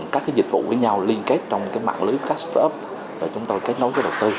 các cái dịch vụ với nhau liên kết trong cái mạng lưới cash to up và chúng tôi kết nối với đầu tư